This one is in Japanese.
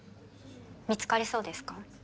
見つかりそうですか？